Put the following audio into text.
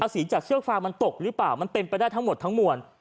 สีจากเชือกฟางมันตกหรือเปล่ามันเป็นไปได้ทั้งหมดทั้งมวล